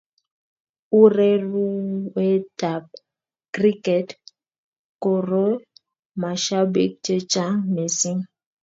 Ureruetab kriket koreu mashabik chechaang mising